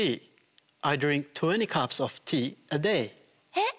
えっ！